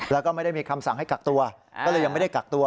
แล้วก็ไม่ได้มีคำสั่งให้กักตัวก็เลยยังไม่ได้กักตัว